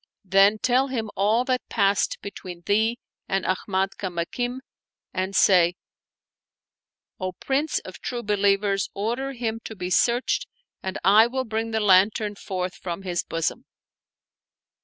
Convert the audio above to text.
Then tell him all that passed between thee and Ahmad ICamakim and say: O Prince of True Believ ers, order him to be searched and I will bring the lantern forth from his bosom."